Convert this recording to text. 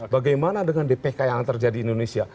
bagaimana dengan dpk yang terjadi di indonesia